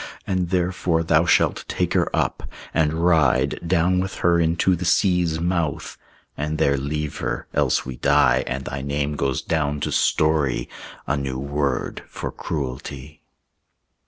And therefore Thou shall take her up, and ride "Down with her into the sea's mouth, And there leave her; else we die, And thy name goes down to story A new word for cruelty."